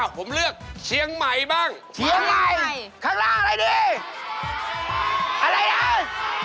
เอ้าผมเลือกเชียงใหม่บ้างเชียงใหม่ข้างล่างอะไรดีอะไรแล้ว